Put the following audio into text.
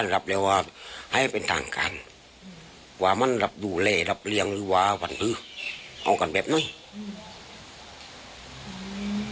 แล้วทีที่ตั้งใจว่าจะไปแจ้งความนี้ว่าต้องการอะไร